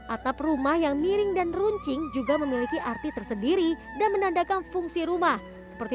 atap rumah yang miring dan runcing juga memiliki arti tersendiri dan menandakan fungsi rumah seperti